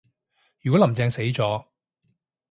如果林鄭死咗